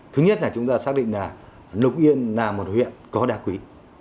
thứ nhất là chúng ta xác định là lục yên là một huyện có đá quý